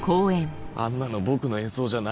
あんなの僕の演奏じゃない。